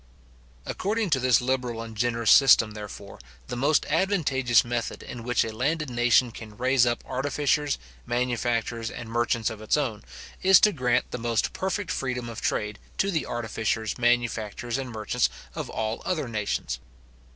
According to this liberal and generous system, therefore, the most advantageous method in which a landed nation can raise up artificers, manufacturers, and merchants of its own, is to grant the most perfect freedom of trade to the artificers, manufacturers, and merchants of all other nations.